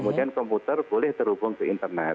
kemudian komputer boleh terhubung ke internet